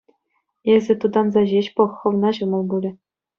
Эсӗ тутанса ҫеҫ пӑх, хӑвна ҫӑмӑл пулӗ.